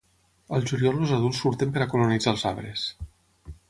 Al juliol els adults surten per a colonitzar els arbres.